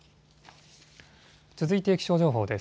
続いて気象情報です。